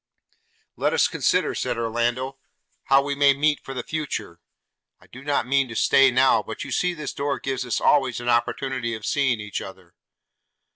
'Let us consider,' said Orlando, 'how we may meet for the future. I do not mean to stay now; but you see this door gives us always an opportunity of seeing each other.'